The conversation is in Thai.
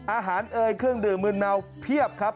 เอ่ยเครื่องดื่มมืนเมาเพียบครับ